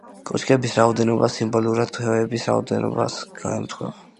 კოშკების რაოდენობა სიმბოლურად თვეების რაოდენობას ემთხვევა.